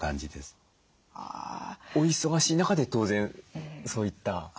お忙しい中で当然そういった。